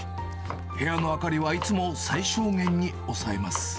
部屋の明かりはいつも最小限に抑えます。